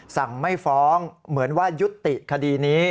สั่งไม่ฟ้องเหมือนว่ายุติคดีนี้